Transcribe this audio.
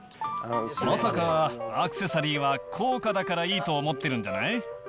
まさかアクセサリーは高価だからいいと思ってるんじゃない？